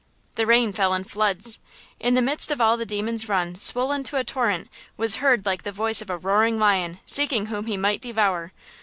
The rain fell in floods! In the midst of all the Demon's Run, swollen to a torrent, was heard like the voice of a "roaring lion, seeking whom he might devour!"